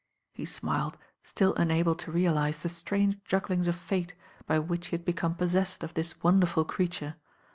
He smiled, still unable to realise the strange jug. glings of fate by which he had become possessed of this wonderful creature.